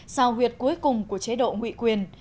sao huyệt cuối cùng của chế độ nguyện quyền